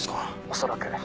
恐らく。